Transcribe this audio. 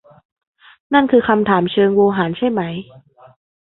นั่นคือคำถามเชิงโวหารใช่ไหม ?